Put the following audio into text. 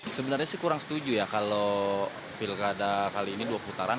sebenarnya sih kurang setuju ya kalau pilkada kali ini dua putaran